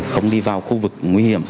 không đi vào khu vực nguy hiểm